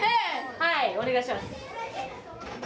はいお願いします。